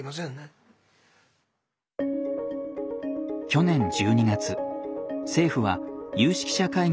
去年１２月政府は有識者会議を立ち上げ